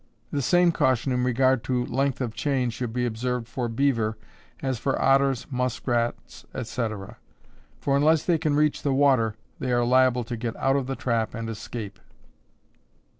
The same caution in regard to length of chain should be observed for Beaver, as for Otters, Muskrats, &c., for unless they can reach the water they are liable to get out of the trap and escape.